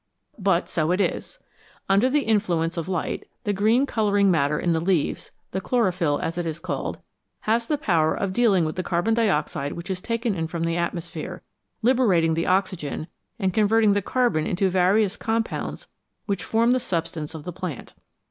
But so it is. Under the influence of light, the green colouring matter in the leaves the chloro phyll, as it is called has the power of dealing with the carbon dioxide which is taken in from the atmosphere, liberating the oxygen, and converting the carbon into various compounds which form the substance of the plant.